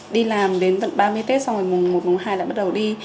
đi làm đến tận ba mươi tết xong rồi mùa một mùa hai lại bắt đầu đi